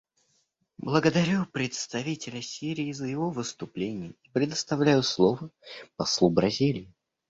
Благодарю представителя Сирии за его выступление и предоставляю слово послу Бразилии.